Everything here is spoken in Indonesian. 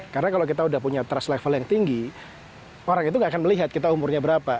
karena kalau kita sudah punya trust level yang tinggi orang itu tidak akan melihat kita umurnya berapa